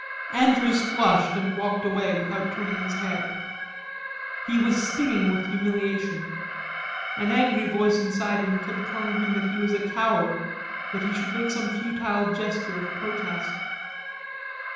Andrews flushed and walked away without turning his head. He was stinging with humiliation; an angry voice inside him kept telling him that he was a coward, that he should make some futile gesture of protest.